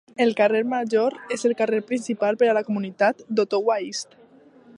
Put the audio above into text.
El Carrer Major és el "carrer principal" per a la comunitat d'Ottawa East.